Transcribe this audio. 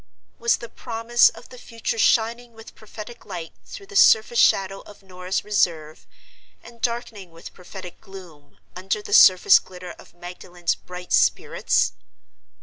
Was the promise of the future shining with prophetic light through the surface shadow of Norah's reserve, and darkening with prophetic gloom, under the surface glitter of Magdalen's bright spirits?